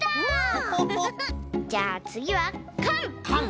じゃあつぎはかん！